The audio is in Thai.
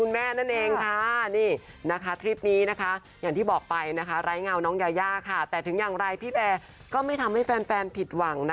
หวาดเสียวเบานะโอ้โหเอ็กซีรีมสุด